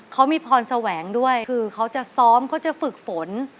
เขามีพรแสวงด้วยคือเขาจะซ้อมเขาจะฝึกฝน